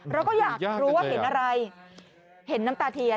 เราก็อยากรู้ว่าเห็นอะไรเห็นน้ำตาเทียน